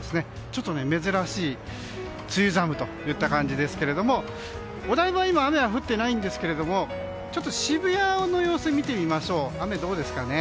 ちょっと珍しい梅雨寒といった感じですがお台場は今、雨は降っていないんですけれども渋谷の様子を見てみましょう。